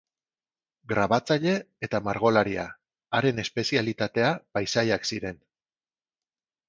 Grabatzaile eta margolaria, haren espezialitatea paisaiak ziren.